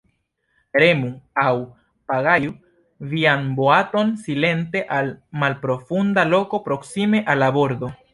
Remu aŭ pagaju vian boaton silente al malprofunda loko proksime al la bordo.